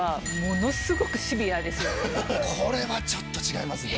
これはちょっと違いますんで。